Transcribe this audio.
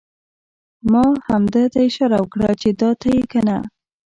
ما همده ته اشاره وکړه چې دا ته یې کنه؟!